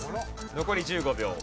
残り１５秒。